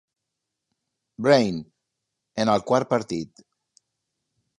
Brain, en el quart partit.